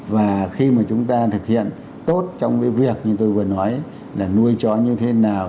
và khi mà chúng ta thực hiện tốt trong cái việc như tôi vừa nói là nuôi chó như thế nào